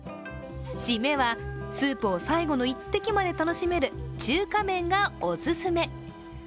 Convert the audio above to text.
しめは、スープを最後の１滴まで楽しめる中華麺がお勧め。